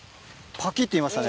パキっていいましたね。